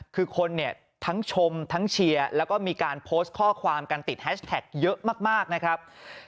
คือคนเนี่ยทั้งชมทั้งเชียร์แล้วก็มีการโพสต์ข้อความกันติดแฮชแท็กเยอะมากนะครับ